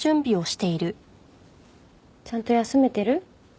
ちゃんと休めてる？